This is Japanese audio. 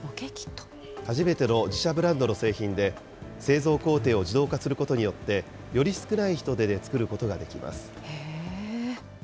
初めての自社ブランドの製品で、製造工程を自動化することによって、より少ない人手で作ることができます。